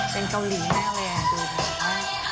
เต้นเกาหลีมากเลยอะ